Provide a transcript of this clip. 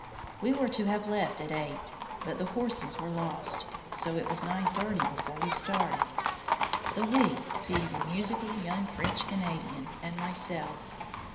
We were to have left at 8 but the horses were lost, so it was 9:30 before we started, the WE being the musical young French Canadian and myself.